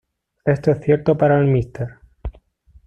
Esto es cierto para el Mr.